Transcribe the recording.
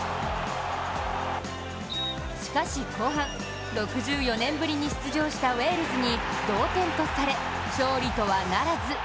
しかし後半、６４年ぶりに出場したウェールズに同点とされ勝利とはならず。